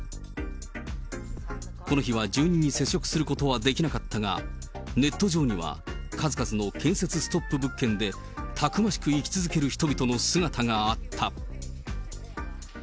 この日は住人に接触することはできなかったが、ネット上には数々の建設ストップ物件で、たくましく生き続ける人々の姿があった。